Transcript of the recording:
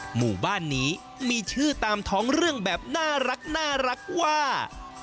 หมู่บ้านนี้มีชื่อตามท้องเรื่องแบบน่ารักว่า